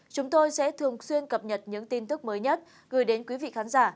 chúng tôi sẽ thường xuyên cập nhật những tin tức mới nhất gửi đến quý vị khán giả